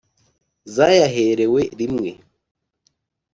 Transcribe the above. Zayaherewe rimwe